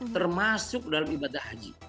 termasuk dalam ibadah haji